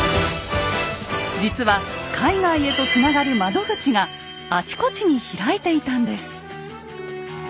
実は海外へとつながる窓口があちこちに開いていたんです。